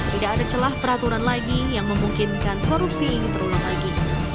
tidak ada celah peraturan lagi yang memungkinkan korupsi ini terulang lagi